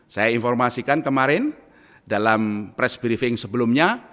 saya informasikan kemarin dalam press briefing sebelumnya